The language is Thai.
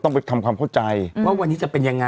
ไปทำความเข้าใจว่าวันนี้จะเป็นยังไง